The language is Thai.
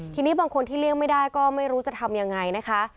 ทีนี้บางคนที่เลี่ยงไม่ได้ก็ไม่รู้จะทำยังไงนะคะ